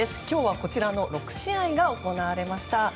今日は６試合が行われました。